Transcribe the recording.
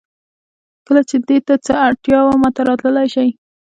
کله چې دې څه ته اړتیا وه ماته راتللی شې